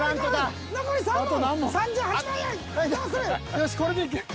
よしこれでいける。